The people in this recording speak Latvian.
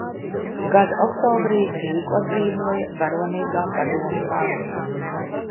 Gada oktobrī Rīgu atbrīvoja varonīgā padomju armija.